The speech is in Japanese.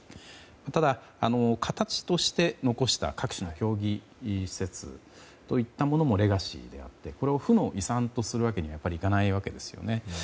ただ、形として残した各種の競技施設というものもレガシーであってこれを負の遺産とするわけにはやっぱりいかないわけですよね。